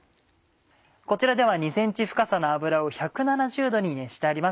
こちらでは２ｃｍ深さの油を１７０℃に熱してあります。